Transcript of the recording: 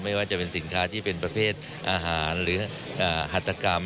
ไม่ว่าจะเป็นสินค้าที่เป็นประเภทอาหารหรือหัตกรรม